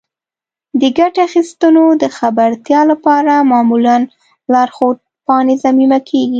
د ګټې اخیستونکو د خبرتیا لپاره معمولا لارښود پاڼې ضمیمه کیږي.